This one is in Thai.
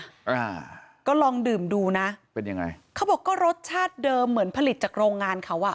อ่าก็ลองดื่มดูนะเป็นยังไงเขาบอกก็รสชาติเดิมเหมือนผลิตจากโรงงานเขาอ่ะ